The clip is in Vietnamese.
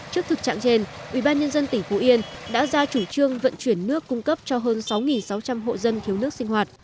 trước thực trạng trên ubnd tỉnh phú yên đã ra chủ trương vận chuyển nước cung cấp cho hơn sáu sáu trăm linh hộ dân thiếu nước sinh hoạt